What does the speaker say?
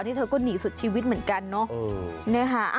นี่เธอก็หนีสุดชีวิตเหมือนกันเนอะ